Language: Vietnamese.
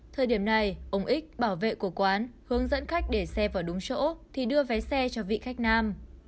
thời điểm này ông ích bảo vệ của quán hướng dẫn khách để xe vào đúng chỗ thì đưa vé xe cho vị khách nam